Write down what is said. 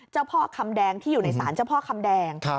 เจ้าพ่อคำแดงที่อยู่ในศาลเจ้าพ่อคำแดง